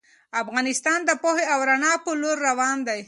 افغانستان د پوهې او رڼا په لور روان دی.